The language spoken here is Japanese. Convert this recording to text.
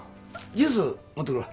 ジュース持ってくるわ。